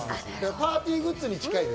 パーティーグッズに近い。